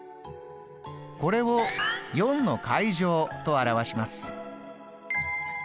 これを４の階乗と表します。